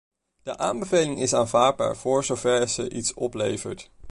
De aanbeveling is aanvaardbaar voor zover ze iets oplevert.